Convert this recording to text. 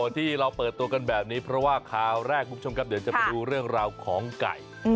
ที่เราเปิดตัวกันแบบนี้เพราะว่าคราวแรกคุณผู้ชมครับเดี๋ยวจะไปดูเรื่องราวของไก่